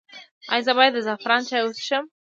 ایا زه باید د زعفران چای وڅښم؟